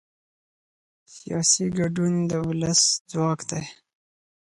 سیاسي ګډون د ولس ځواک دی